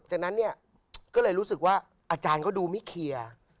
จากนั้นเนี่ยก็เลยรู้สึกว่าอาจารย์เขาดูไม่เคลียร์